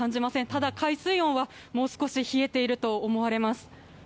ただ、海水温は、もう少し冷えていると思われます。